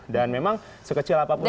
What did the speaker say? dan memang sekecil apapun kejadian